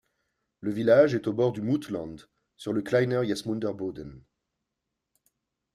Le village est au bord du Muttland, sur le Kleiner Jasmunder Bodden.